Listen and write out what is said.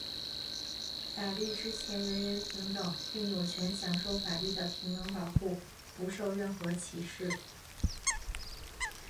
法律之前人人平等,并有权享受法律的平等保护,不受任何歧视。